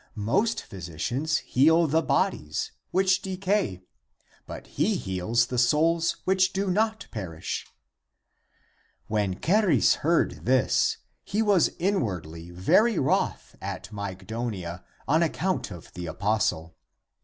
Most physi cians heal the bodies, which decay ; but he heals the souls, which do not perish." When Charis heard this, he was inwardly very wroth at Mygdonia on account of the apostle.